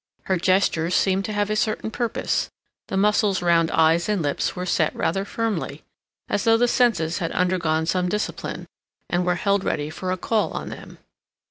Her gestures seemed to have a certain purpose, the muscles round eyes and lips were set rather firmly, as though the senses had undergone some discipline, and were held ready for a call on them.